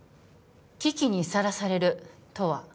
危機にさらされるとは？